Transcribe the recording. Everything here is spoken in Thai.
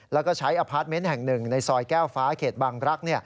แล้วก็ใช้อพาร์ทเมนต์แห่งหนึ่งในซอยแก้วฟ้าเขตบางรักษ์